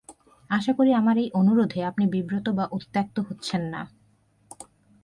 আশা করি, আমার এই অনুরোধে আপনি বিব্রত বা উত্ত্যক্ত হচ্ছেন না।